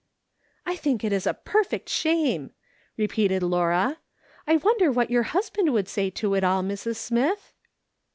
" I think it is a perfect shame !" repeated Laura. " I wonder what your husband would say to it all, Mrs. Smith